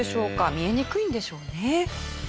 見えにくいんでしょうね。